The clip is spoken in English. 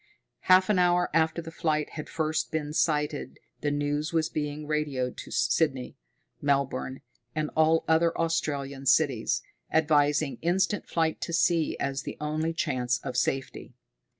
Half an hour after the flight had first been sighted the news was being radioed to Sydney, Melbourne, and all other Australian cities, advising instant flight to sea as the only chance of safety.